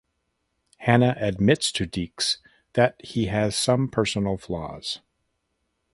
Hanna admits to Deeks that he has some personal flaws.